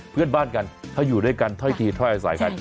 เพื่อนบ้านกันถ้าอยู่ด้วยกันถ้อยทีถ้อยอาศัยกัน